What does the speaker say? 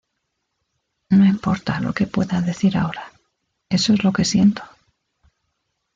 No importa lo que pueda decir ahora, eso es lo que siento".